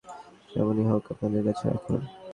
যেমনই হোক আপনাদের কাছে রাখুন।